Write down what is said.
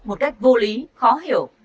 một cách vô lý khó hiểu